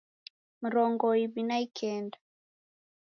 Mrongo iw'i na ikenda